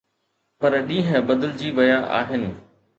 پر ڏينهن بدلجي ويا آهن.